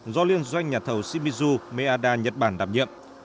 do liên doanh nhà thầu shimizu meada nhật bản đảm nhiệm